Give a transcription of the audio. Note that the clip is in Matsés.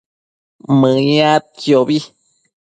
Mëyadquiobi